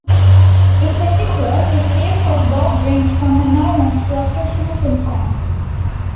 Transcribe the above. In particular, his views of Bob range from annoyance to occasional contempt.